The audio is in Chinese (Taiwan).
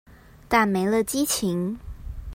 但沒了激情